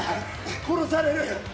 殺される！